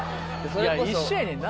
一緒やねんな。